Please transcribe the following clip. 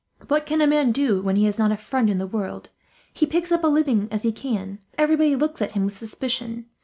What can a man do, when he has not a friend in the world? He picks up a living as he can, but everybody looks at him with suspicion.